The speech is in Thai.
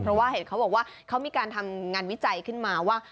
เพราะว่าเห็นเขาบอกว่าเขามีการทำงานวิจัยขึ้นมาว่า